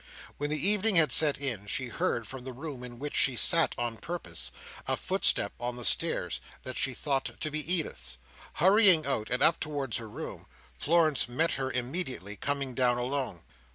When the evening had set in, she heard, from the room in which she sat on purpose, a footstep on the stairs that she thought to be Edith's. Hurrying out, and up towards her room, Florence met her immediately, coming down alone.